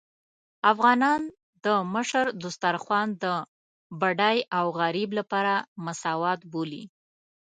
افغانان د مشر دسترخوان د بډای او غريب لپاره مساوات بولي.